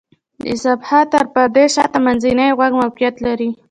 د صماخ تر پردې شاته منځنی غوږ موقعیت لري.